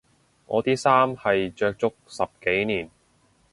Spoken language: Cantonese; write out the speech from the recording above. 我啲衫係着足十幾年